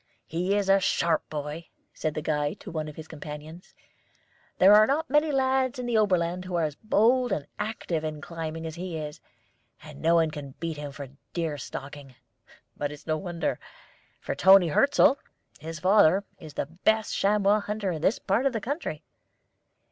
"He is a sharp boy," said the guide to one of his companions. "There are not many lads in the Oberland who are as bold and active in climbing as he is. And no one can beat him for deer stalking. But it's no wonder, for Toni Hirzel, his father, is the best chamois hunter in this part of the country."